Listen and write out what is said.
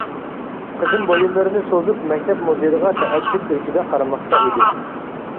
قىزىم بويۇنلىرىنى سوزۇپ مەكتەپ مۇدىرىغا تەئەججۈپ ئىلكىدە قارىماقتا ئىدى.